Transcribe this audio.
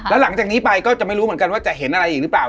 แล้วหลังจากนี้ไปก็จะไม่รู้เหมือนกันว่าจะเห็นอะไรอีกหรือเปล่า